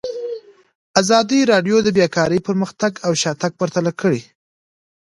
ازادي راډیو د بیکاري پرمختګ او شاتګ پرتله کړی.